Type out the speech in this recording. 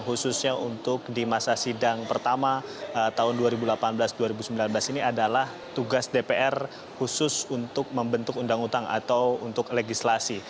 khususnya untuk di masa sidang pertama tahun dua ribu delapan belas dua ribu sembilan belas ini adalah tugas dpr khusus untuk membentuk undang undang atau untuk legislasi